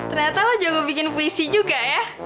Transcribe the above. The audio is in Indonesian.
ternyata lo jago bikin puisi juga ya